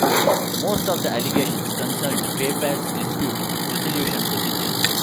Most of the allegations concerned PayPal's dispute resolution procedures.